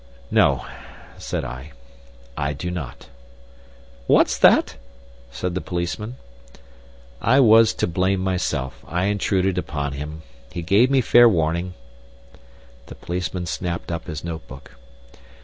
"No," said I, "I do not." "What's that?" said the policeman. "I was to blame myself. I intruded upon him. He gave me fair warning." The policeman snapped up his notebook.